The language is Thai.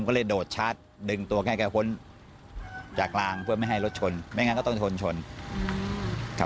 ก็เลยโดดชาร์จดึงตัวแกพ้นจากรางเพื่อไม่ให้รถชนไม่งั้นก็ต้องชนชนครับ